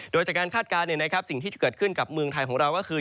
โดยจากการคาดการณ์สิ่งที่จะเกิดขึ้นกับเมืองไทยของเราก็คือ